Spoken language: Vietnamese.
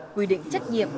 quy định trách nhiệm